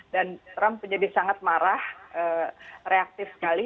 trump menjadi sangat marah reaktif sekali